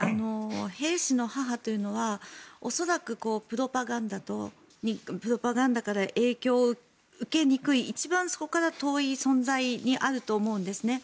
兵士の母というのは恐らくプロパガンダから影響を受けにくい一番そこから遠い存在にあると思うんです。